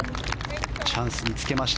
チャンスにつけました